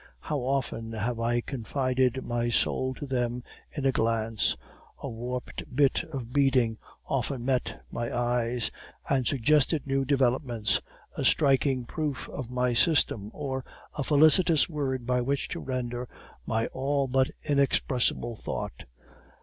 How often have I confided my soul to them in a glance! A warped bit of beading often met my eyes, and suggested new developments, a striking proof of my system, or a felicitous word by which to render my all but inexpressible thought.